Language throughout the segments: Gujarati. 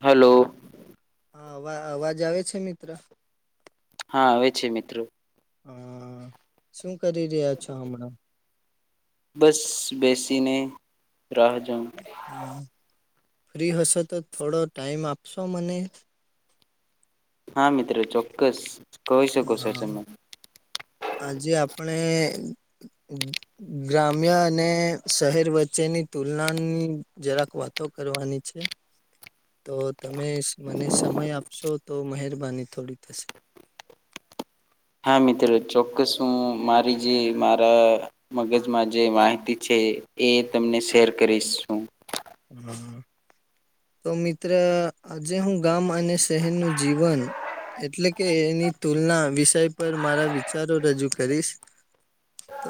હલો. હા અવાજ આવે છે મિત્ર. હા આવે છે મિત્રો. હા શું કરી રહ્યા છો હમણાં. બસ બેસીને. રાહજમ. હા ફ્રી હશો તો થોડો ટાઈમ આપશો મને. હા મિત્ર ચોક્કસ કહી શકો છો હા તમે. આજે આપણે ગ્રામ્ય અને શહેર વચ્ચેની. ની તુલના ની જરાક વાતો કરવાની છે. તો તમે મને સમય આપશો તો મહેરબાની થોડી થશે. હા મિત્રો ચોક્કસ હું મારી જે મારા મગજમાં જે માહિતી છે. એ તમને શેર કરીશ હુ હમ્મ તો મિત્ર આજે હું ગામ અને શહેરનું જીવન એટલે કે એની તુલના વિષય પર મારા વિચારો રજૂ કરીશ ત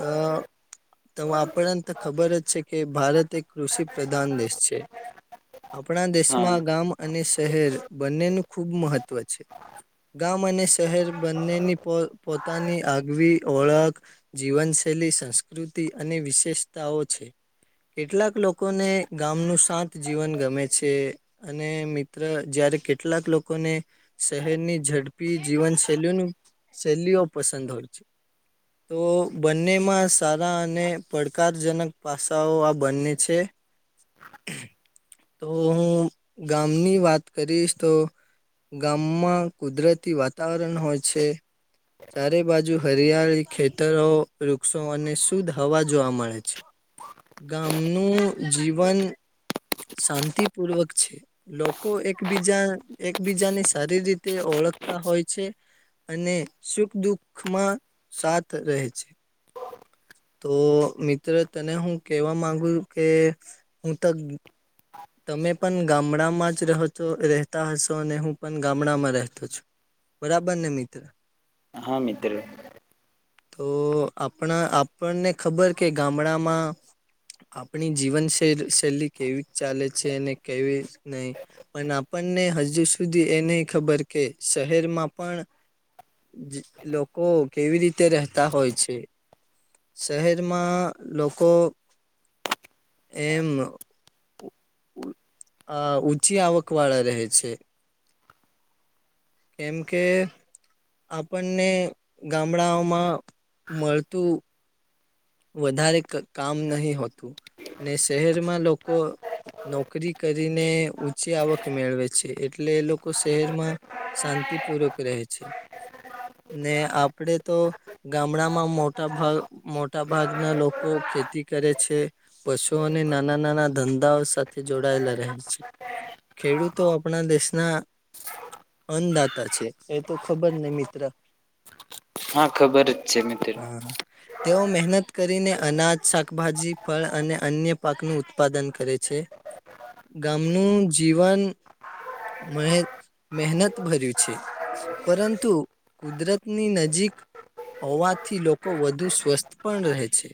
તો આપણને તો ખબર જ છે કે ભારત એક કૃષિ પ્રધાન દેશ છે આપણા હા દેશમાં ગામ અને શહેર બંનેનું ખૂબ મહત્ત્વ છે ગામ અને શહેર બંનેની પો પોતાની આગવી ઓળખ જીવન છેલી સંસ્કૃતિ અને વિશેષતાઓ છે કેટલાક લોકોને ગામનું સાત જીવન ગમે છે અને મિત્ર જય્યારે કેટલાક લોકોને શહેરની ઝડપી જીવન શૈલીઓની શૈલીઓ પસંદ હોય છે તો બંનેમાં સારા અને પડકારજનક પાસાઓ આ બંને છે તો હું ગામની વાત કરીશ તો ગામમાં કુદરતી વાતાવરણ હોય છે ચારે બાજુ હરિયાળી ખેતરો વૃક્ષો અને શુદ્ધ હવા જોવા મળે છે ગામનું જીવન શાંતિ પૂર્વક છે લોકો એકબીજા એકબીજાને સારી રીતે ઓળખતા હોય છે અને સુખ દુઃખમાં સાથ રહે છે તો મિત્ર તને હું કેવા માંગુ કે હું તો તમે પણ ગામડામાં જ રહો છો રહેતા હશો અને હું પણ ગામડામાં રહેતો છું બરાબર ને મિત્ર હા મિત્ર તો આપણા આપણને ખબર કે ગામડામાં આપણી જીવન શેલી શૈલી કેવી ચાલે છે એને કેવી નહી પણ આપણને હજુ સુધી એ નહી ખબર કે શહેરમાં પણ લોકો કેવી રીતે રહેતા હોય છે શહેરમાં લોકો એમ અ ઊંચી આવક વાળા રહે છે કેમ કે આપણને ગામડાઓમાં મળતું વધારે કામ નહી હોતું ને શહેરમાં લોકો નોકરી કરીને ઊંચી આવક મેળવે છે એટલે એ લોકો શહેરમાં શાંતિ પૂર્વક રહે છે ને આપડે તો ગામડામાં મોટા ભાગા મોટા ભાગના લોકો ખેતી કરે છે પશુઓને નાના નાના ધંધાઓ સાથે જોડાય [unintelligible] ખેડૂતો આપણા દેશના અન્નદાતા છે એ તો ખબર ને મિત્ર હા ખબર જ છે મિત્ર હા તેઓ મહેનત કરીને અનાજ શાકભાજી ફળ અને અન્ય પાકનું ઉત્પાદન કરે છે ગામનું જીવન મહે મહેનત ભર્યું છે પરંતુ કુદરતની નજીક હોવાથી લોકો વધુ સ્વસ્થ પણ રહે છે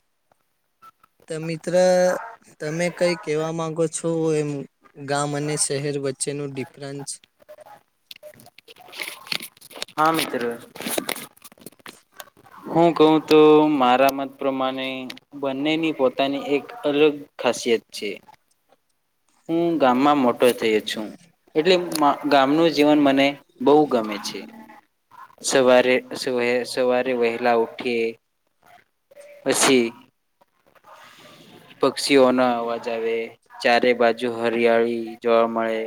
તો મિત્ર તમે કઈ કેવા માંગો છો એમ ગામ અને શહેર વચ્ચે વચ્ચે નુ ડિફરન્સ હા મિત્ર હું કહુ તો મારા મત પ્રમાણે બંનેની પોતાની એક અલગ ખાસિયત છે હું ગામમાં મોટો થયો છું એટલે ગામનું જીવન મને બહુ ગમે છે સવારે સ સવારે વહેલા ઉઠીયે પછી પક્ષીઓ ન અવાજ આવે ચારે બાજુ હરિયાળી જોવા મળે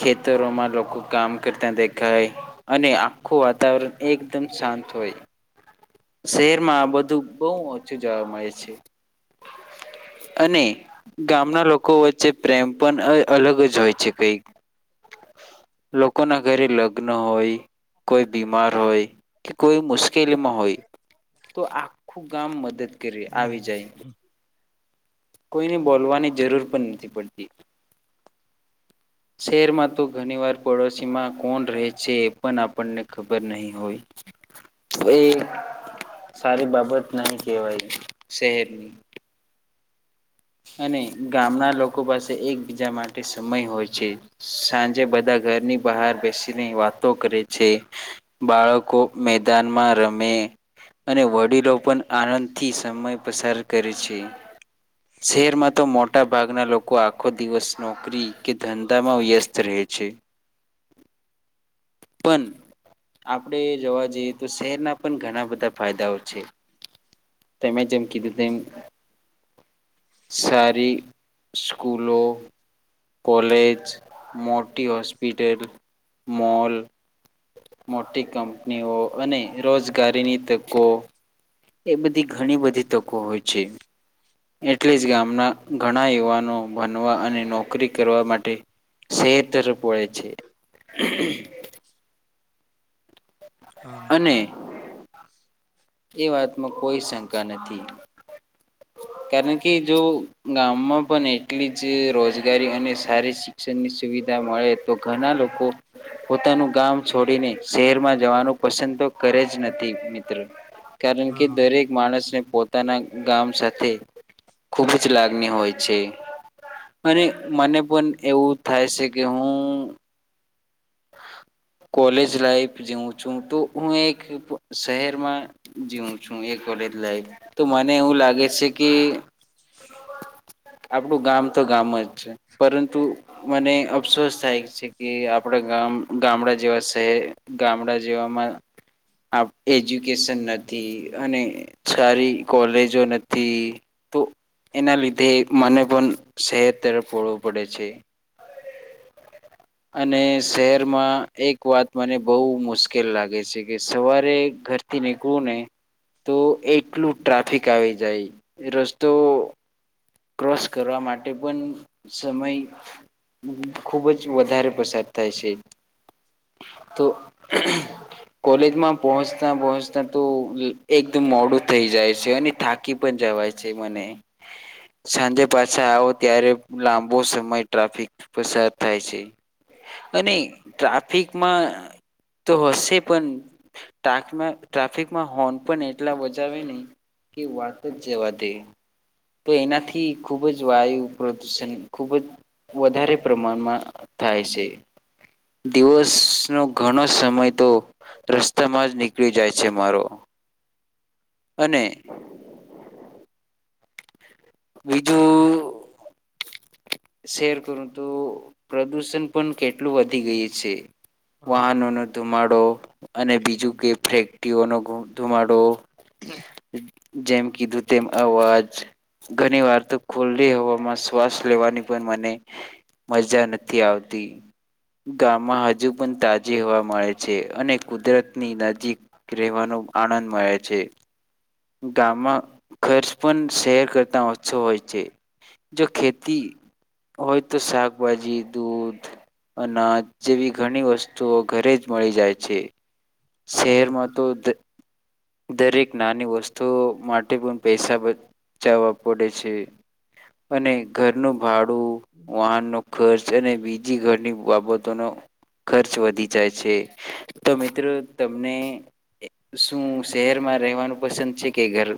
ખેતરોમાં લોકો કામ કરતા દેખાય અને આખું વાતાવરણ એકદમ શાંત હોયે શહેરમાં બધું બહુ ઓછું જોવા મળે છે અને ગામના લોકો વચ્ચે પ્રેમ પણ અલગ જ હોય છે કઈક લોકો ના ઘરે લગ્ન હોય કોઈ બીમાર હોય કે કોઈ મુશ્કેલીમાં હોય તો આખું ગામ મદદ કરી હમ આવી જાય કોઈને બોલવાની જરૂર પણ નથી પડતી [inaudible] શહેરમાં તો ઘણી વાર પડોશીમાં કોણ રહે છે એ પણ આપણને ખબર નહી હોય એ સારી બાબત નહી કેહેવાય શહેરની અને ગામના લોકો પાસે એકબીજા માટે સમય હોય છે સાંજે બધા ઘરની બહાર બેસીને વાતો કરે છે બાળકો મેદાનમાં રમે અને વડીલો પણ આનંદથી સમય પસાર કરે છે શહેરમાં તો મોટા ભાગના લોકો આખો દિવસ નોકરી કે ધંધો વ્યસ્ત રહે છે [inaudible] પણ આપડે જોવા જઈએ તો શહેરના પણ ઘણા બધા ફાયદાઓ છે તમે જેમ કીધું તેમ સારી સ્કૂલો કોલેજ મોટી હોસ્પિટલ મોલ મોટી કંપનીઓ અને રોજગારીની તકો એ બધી ઘણી બધી તકો હોય છે એટલે જ ગામના ઘણા યુવાનો ભણવા અને નોકરી કરવા માટે સેતર પોડ છે હા અને એ વાતમાં કોઈ શંકા નથી [inaudible] કારણ કે જો ગામમાં પણ એટલી જ રોજગારી અને સારી શિક્ષણ ની સુવિધા મળે તો ઘણા લોકો પોતાનું ગામ છોડીને શહેરમાં જવાનું પસંદ [unintelligible] નથી મિત્ર કારણ કે હા દરેક માણસને પોતાના ગામ સાથે ખુબ જ લાગણી હોય છે અને મને પણ એવું થાય છે કે હું [inaudible] કોલેજ લાઈફ જીવું છું તો હું એક શહેરમાં જીવું છું એક કોલેજ લાઈફ તો મને એવું લાગે છે કે આપણું ગામ તો ગામ જ છે પરંતુ મને અફસોસ થાય છે કે આપણા ગામ ગામડા જેવા છેહે ગામડા જેવામાં એજ્યુકેશન નથી અને સારી કોલેજો નથી તો એના લીધે મને પણશહેર તરફ વળવું પડે છે [inaudible] અને શહેરમાં એક વાત મને બહુ મુશ્કેલ લાગે છે કે સવારે ઘરથી નીકળું તો એટલું ટ્રાફિક આવી જાય રસ્તો ક્રોસ કરવા માટે પણ સમય ખુબ જ વધારે પસાર થાય છે. તો. કોલેજમાં પહોંચતા પહોંચતા તો એકદમ મોડું થઈ જાય છે, અને થાકી પણ જાય લવાય છે, મને સાંજે પાછા આવો ત્યારે લાંબો સમય ટ્રાફિક પસાર થાય છે. અને ટ્રાફિકમાં તો હશે પણ ટામા ટ્રાફિકમાં હોર્ન પણ એટલા બજાવે ને કે વાત જ જવાદે તો એનાથી ખુબ જ વાયુ પ્રદુષણ ખુબ જ વધારે પ્રમાણમાં થાય છે. દિવસ નો ઘણો સમય તો રસ્તામાં જ નીકળી જાય છ, મારો અને બીજું શેર કરું તો પ્રદુષણ પણ કેટલું વધી ગયું છે. હા વાહનો ન ધુમાડો અને બીજું કે ફેક્ટઓનો ધુમાડો જેમ કે ધૂતેમ અવાજ ઘણી વાર તો ખુલ્લી હવામાં શ્વાસ લેવાની પણ મને મજા નથી આવતી ગામમાં હજુ પણ તાજી હવા મળે છે અને કુદરતની નજીક રહેવાનું આનંદ મળે છે ગામમાં ખર્ચ પણ શહેર કરતા ઓછો હોય છે. જો ખેતી હોય તો શાકભાજી, દૂધ, અનાજ, જેવી ઘણી વસ્તુઓ ઘરે જ મળી જાય છે. હા શેરમાં દ દરેક નાની વસ્તુઓ માટે પણ પૈસા બચાવવા પડે છે. અને ઘરનું ભાડું, વાહનનો ખર્ચ અને બીજી ઘરની બાબતોનો ખર્ચ વધી જાય છે. તો મિત્રો તમને શું શહેરમાં રહેવાનું પસંદ છે, કે ઘર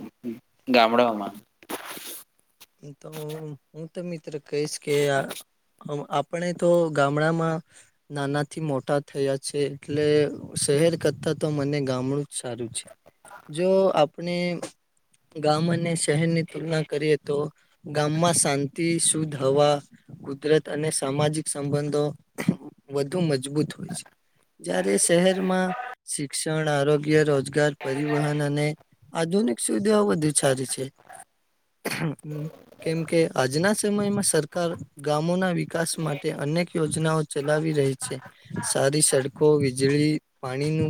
ગામડાઓમાં? તો હું તો મિત્ર કહીશ કે આપ તો ગામડામાં નાનાથી મોટા થયા છે, એટલે શહેર કરતા મને ગામડું જ સારું છે, જો આપણે ગામ અને શહેર ની તુલના કરી હતી ગામમાં શાંતિ, શુદ્ધ હવા, કુદરત અને સામાજિક સંબંધો વધુ મજબૂત હોય છે, જય્યારે શહેરમાં શિક્ષ ક્ષણ, આરોગ્ય, રોજગાર, પરિવહન અને આધુનિક સુવિધાઓ વધુ સારી છે. કેમ કે આજના સમયમાં સરકાર ગામ ગામો ના વિકાસ માટે અનેક યોજનાઓ ચલાવી રહી છે, સારી સડકો, વીજળી, પાણી નું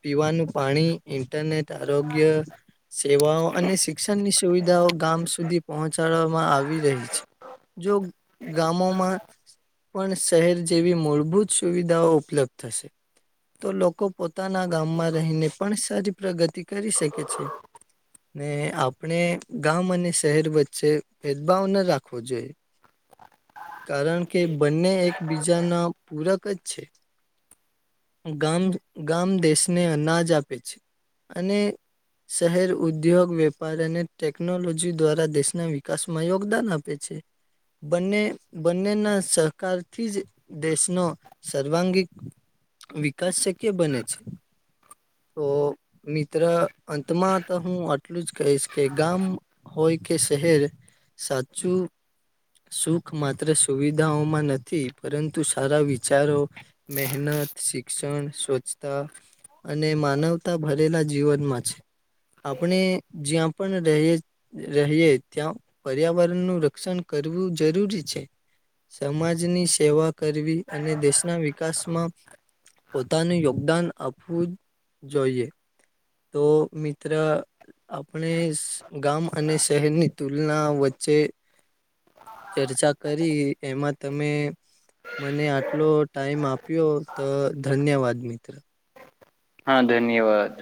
પીવાનું પાણી, ઇન્ટરનેટ, આરોગ્ય, સેવાઓ અને શિક્ષણની સુવિધાઓ ગામ સુધી પહોંચાડવામાં આવી રહી છે, જો ગામોમાં પણ શહેર જેવી મૂળભૂત સુવિધાઓ ઉપલબ્ધ થશે તો લોકો પોતાના ગામમાં રહીને પણ સારી પ્રગતિ કરી શકે છે. ને આપણે ગામ અને શહેર વચ્ચે ભેદભાવ ન રાખવો જોઈએ કારણ કે બંને એકબીજાના પૂરક જ છે. ગામ ગામ દેશને અનાજ આપે છે, અને શહેર ઉદ્યોગ, વેપાર, અને ટેકનોલોજી દ્વારા દેશના વિકાસમાં યોગદાન આપે છે. બને બંનેના સહકારથી જ દેશનો સર્વાંગીક વિકાસ શક્ય બને છે. તો મિત્ર અંતમાં તો હું આટલું જ કહી કે ગામ હોય કે શહેર સાચું સુખ માત્ર સુવિધાઓમાં નથી પરંતુ સારા વિચારો, મહેન ત, શિક્ષણ, સ્વચ્છતા અને માનવતા ભરેલા જીવનમાં છે. આપણે જ્યા પણ રહીએ જ રહીએ, ત્યાં પર્યાવરણનું રક્ષણ કરવું જરૂરી છે. સમાજની સેવા કરવી અને દેશના વિકાસમાં પોતાનું યોગદાન આપવું જોઈએ. તો મિત્ર આપ આપણે ગામ અને શહેરની તુલના વચ્ચે ચર્ચા કરી એમાં તમે મને આટલો ટાઈમ આપ્યો ત ધન્યવાદ મિત્ર. હા ધન્યવાદ.